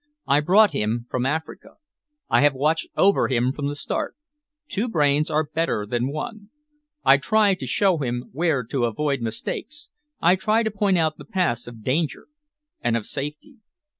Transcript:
I brought him from Africa. I have watched over him from the start. Two brains are better than one. I try to show him where to avoid mistakes, I try to point out the paths of danger and of safety."